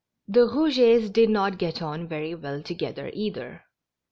The Eougets did not get on very well together either.